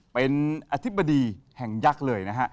เป็นอธิบดีแห่งยักษ์เลยนะฮะ